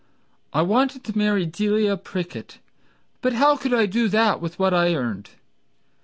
I wanted to marry Delia Prickett, But how could I do it with what I earned?